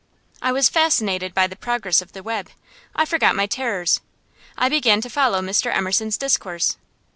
I was fascinated by the progress of the web. I forgot my terrors; I began to follow Mr. Emerson's discourse.